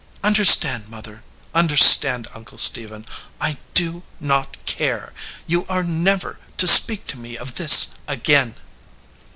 Understand, mother; understand, Uncle Stephen, I do not care. You are never to speak to me of this again."